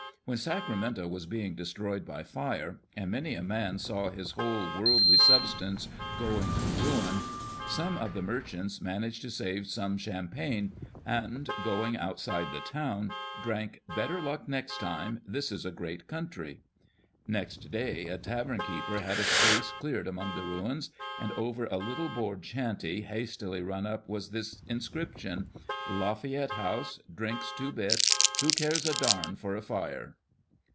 When Sacramento was being destroyed by fire, and many a man saw his whole worldly substance going to ruin, some of the merchants managed to save some champagne, and, going outside the. to\vn, drank " Better luck next time. This is a great country." Next day a tavern keeper had a space cleared among the ruins, and over a little board shanty hastily run up was this inscription : "LAFAYETTE HOUSE. Drinks two bits. Who cares a darn for a fire